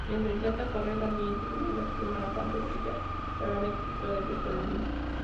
Mientras intenta correr, Danielle le lastima la pantorrilla, pero Alexis todavía puede huir.